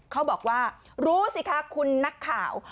เขาบอกว่ารู้สิคะคุณนักข่าว